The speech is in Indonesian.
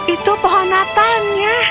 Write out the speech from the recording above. itu pohon natalnya